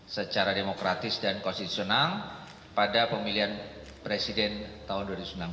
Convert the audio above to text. secara demokratis dan konstitusional pada pemilihan presiden tahun dua ribu sembilan belas